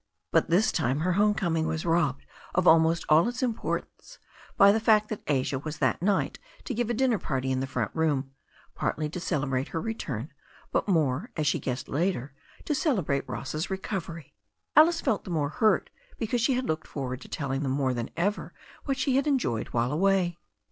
But this time her home coming was robbed of almost all its importance by the fact that Asia was that night to give a dinner party in the front room, partly to celebrate her return, but more, as she guessed later, to celebrate Ross's recovery. Alice felt the more hurt because she had looked forward to telling them more than ev^r what she had en joyed while away.